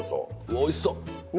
おいしそう！ね！